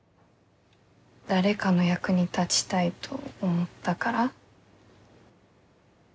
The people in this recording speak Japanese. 誰かの役に立ちたいと思ったから。